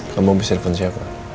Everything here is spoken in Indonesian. kamu bisa telepon siapa